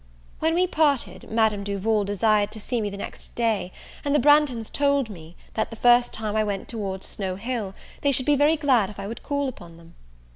When we parted, Madame Duval desired to see me the next day; and the Branghtons told me, that the first time I went towards Snow Hill, they should be very glad if I would call upon them.